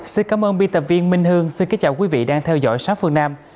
xin cảm ơn biên tập viên minh hương xin kính chào quý vị đang theo dõi sát phương nam